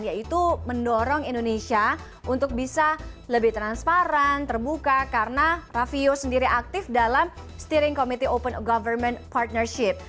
yaitu mendorong indonesia untuk bisa lebih transparan terbuka karena rafio sendiri aktif dalam steering committee open government partnership